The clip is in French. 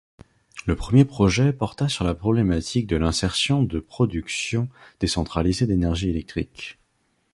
Le premier projet porta sur la problématique de l'insertion de production décentralisée d'énergie électrique.